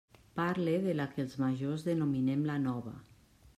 Parle de la que els majors denominem la Nova.